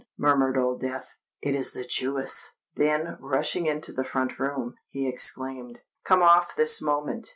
murmured old Death: "it is the Jewess!" Then, rushing into the front room, he exclaimed, "Come off this moment!"